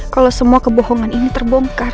kalau semua kebohongan ini terbongkar